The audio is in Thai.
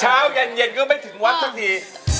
เช้ายนต์เย็นคือไม่ถึงวัสต์ซักที